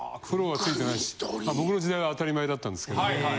僕の時代は当たり前だったんですけど。